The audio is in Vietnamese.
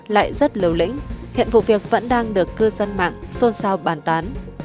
lại rất liều lĩnh hiện vụ việc vẫn đang được cư dân mạng xôn xao bàn tán